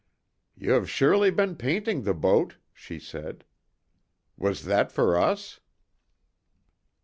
"Ye have surely been painting the boat," she said. "Was that for us?"